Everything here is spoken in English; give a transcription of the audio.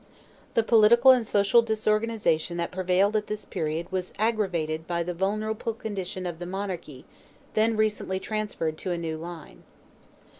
The political and social disorganization that prevailed at this period was aggravated by the vulnerable condition of the monarchy, then recently transferred to a new line.